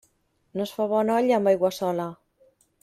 No es fa bona olla amb aigua sola.